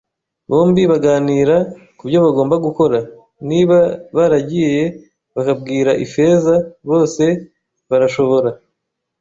bombi baganira kubyo bagomba gukora. Niba baragiye bakabwira Ifeza, bose barashobora